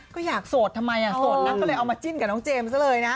ก็อยากโสดทำไมโสดนักก็เลยเอามาจิ้นกับน้องเจมส์ซะเลยนะ